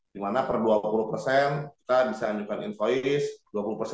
dimana per dua puluh kita bisa anjurkan invoice